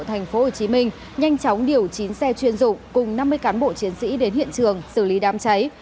tp hcm nhanh chóng điều chín xe chuyên dụng cùng năm mươi cán bộ chiến sĩ đến hiện trường xử lý đám cháy